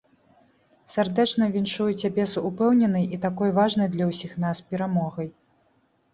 Сардэчна віншую цябе з упэўненай і такой важнай для ўсіх нас перамогай!